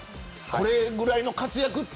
これぐらいの活躍